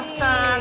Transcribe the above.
nanti kita makan